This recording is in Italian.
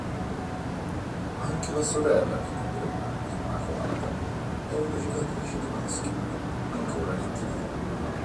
Anche la sorella minore Immacolata è una giocatrice di basket, ancora in attività.